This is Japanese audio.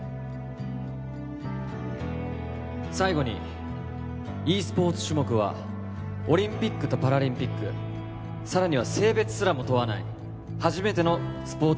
最後にｅスポーツ種目はオリンピックとパラリンピックさらには性別すらも問わない初めてのスポーツ